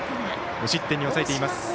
無失点に抑えています。